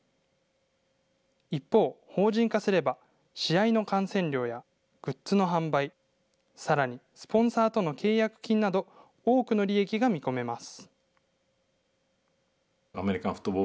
一方、法人化すれば、試合の観戦料やグッズの販売、さらにスポンサーとの契約金など、多くの利益が見込めます。